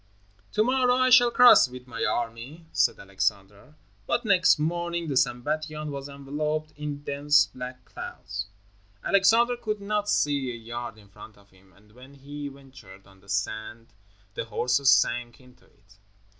"To morrow I shall cross with my army," said Alexander, but next morning the Sambatyon was enveloped in dense black clouds. Alexander could not see a yard in front of him, and when he ventured on to the sand, the horses sank into it.